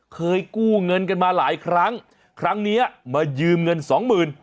เคยกู้เงินกันมาหลายครั้งครั้งนี้มายืมเงิน๒๐๐๐๐บาท